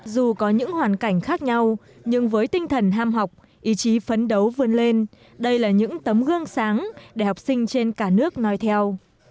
dù có những hoàn cảnh khác nhau nhưng với tinh thần ham học ý chí phấn đấu vươn lên đây là những tấm gương sáng để học sinh trên cả nước nói theo